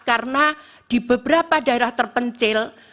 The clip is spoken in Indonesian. karena di beberapa daerah terpencil